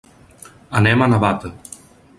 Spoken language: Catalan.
Anem a Navata.